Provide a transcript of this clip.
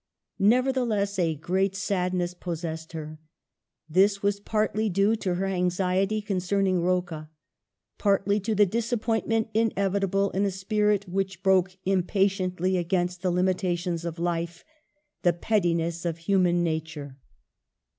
Never theless a great sadness possessed her. This was partly due to her anxiety concerning Rocca — partly to the disappointment inevitable in a spirit which brokq impatiently against the limi tations of life, the pettiness of human nature.